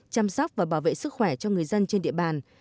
chăm sóc và bảo vệ sức khỏe cho người dân trên địa bàn